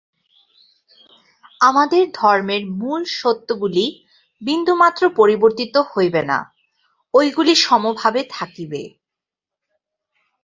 আমাদের ধর্মের মূল সত্যগুলি বিন্দুমাত্র পরিবর্তিত হইবে না, ঐগুলি সমভাবে থাকিবে।